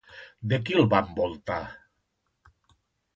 De qui el va envoltar?